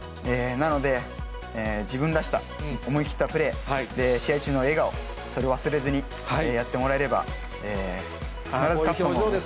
なので、自分らしさ、思い切ったプレー、試合中の笑顔、それを忘れずにやってもらえれば、必ず勝つと思います。